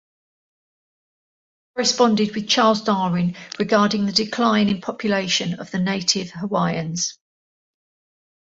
He corresponded with Charles Darwin regarding the decline in population of the native Hawaiians.